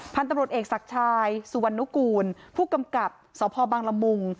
พันธุ์ตำรวจเอกศักดิ์ชายสุวรรณุกูลผู้กำกับสพบังละมุง